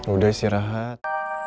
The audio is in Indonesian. udah sih rahat